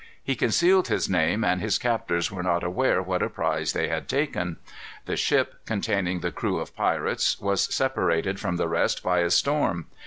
He concealed his name, and his captors were not aware what a prize they had taken. The ship, containing the crew of pirates, was separated from the rest by a storm.